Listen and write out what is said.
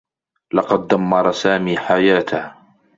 لقد دمّر سامي حياته.